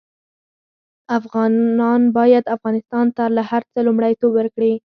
افغانان باید افغانستان ته له هر څه لومړيتوب ورکړي